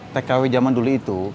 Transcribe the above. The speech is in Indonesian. tkw jaman dulu itu